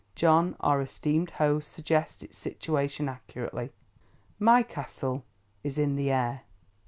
John our esteemed host suggests its situation accurately. My Castle is in the Air!